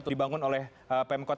dibangun oleh pemkot